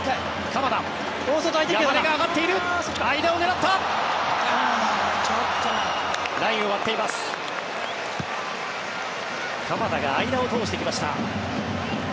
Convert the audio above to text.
鎌田が間を通してきました。